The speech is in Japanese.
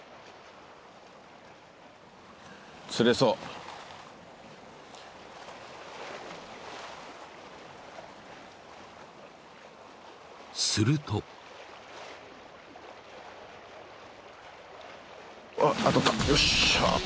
釣れそうするとあアタったよっしゃ！